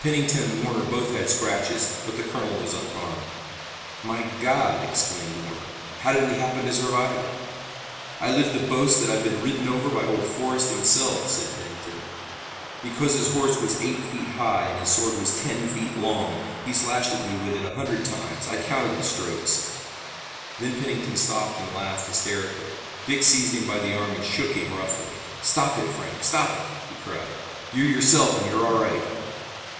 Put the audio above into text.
Pennington and Warner both had scratches, but the colonel was unharmed. "My God," exclaimed Warner, "how did we happen to survive it!" "I live to boast that I've been ridden over by old Forrest himself," said Pennington. "How do you know it was Forrest?" "Because his horse was eight feet high and his sword was ten feet long. He slashed at me with it a hundred times. I counted the strokes." Then Pennington stopped and laughed hysterically, Dick seized him by the arm and shook him roughly. "Stop it, Frank! Stop it!" he cried. "You're yourself, and you're all right!"